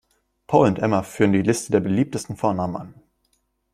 Paul und Emma führen die Liste der beliebtesten Vornamen an.